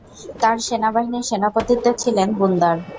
তার সেনাবাহিনীর সেনাপতিত্বে ছিলেন বুনদার।